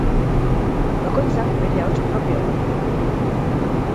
Bakoitzak bere ahots propioa du.